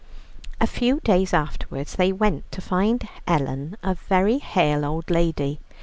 A few days afterwards they went, to find Ellen a very hale old lady.